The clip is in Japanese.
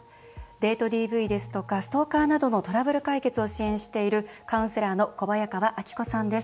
デートＤＶですとかストーカーなどのトラブル解決を支援しているカウンセラーの小早川明子さんです。